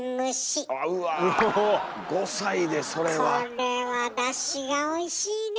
これはダシがおいしいね。